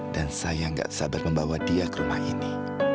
dan saya gak sabar membawa dia ke rumah ini